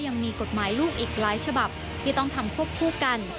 ยังมีกฎหมายลูกอีกหลายฉบับที่ต้องทำควบคู่กัน